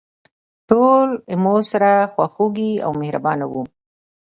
ټول له ماسره خواخوږي او مهربانه وو.